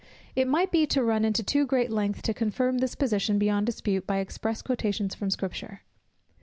It might be to run into too great length to confirm this position beyond dispute by express quotations from Scripture.